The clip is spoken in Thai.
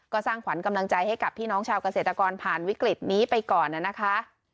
ก็สร้างขวัญกำลังใจให้กับพี่น้องชาวเกษตรกรผ่านวิกฤตนี้ไปก่อนนะคะ